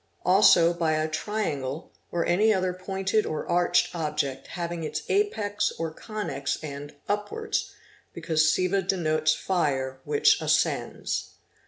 Also by a triangle or any other pointed or | arched object having its apex or convex end upwards because Siva denotes fire which ascends.